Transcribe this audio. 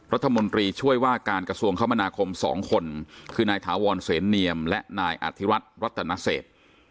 รัฐมนตรีช่วยว่าการกระทรวงคมนาคม๒คนคือนายถาวรเสนเนียมและนายอธิรัฐรัตนเศษ